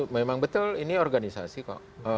memang betul ini organisasi kok